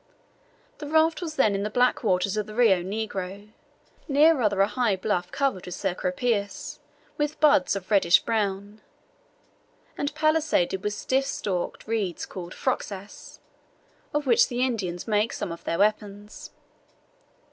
The raft was then in the black waters of the Rio Negro, near rather a high bluff covered with cecropias with buds of reddish brown, and palisaded with stiff stalked reeds called "froxas," of which the Indians make some of their weapons.